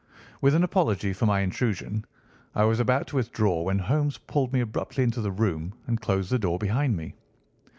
With an apology for my intrusion, I was about to withdraw when Holmes pulled me abruptly into the room and closed the door behind me.